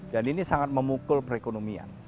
dan ini sangat memukul perekonomian